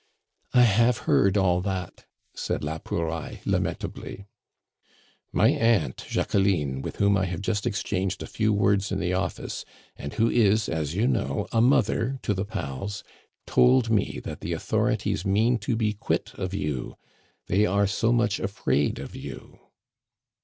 "I have heard all that," said la Pouraille lamentably. "My aunt Jacqueline, with whom I have just exchanged a few words in the office, and who is, as you know, a mother to the pals, told me that the authorities mean to be quit of you; they are so much afraid of you."